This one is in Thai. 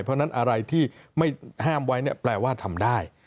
เพราะฉะนั้นอะไรที่ไม่ห้ามไว้เนี่ยแปลว่าทำได้